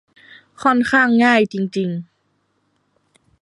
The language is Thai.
ค่อนข้างง่ายจริง ๆ